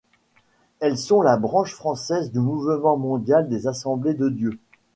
Elles sont la branche française du mouvement mondial des Assemblées de Dieu.